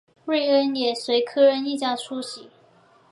瑞恩也随科恩一家出席。